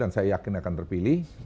dan saya yakin akan terpilih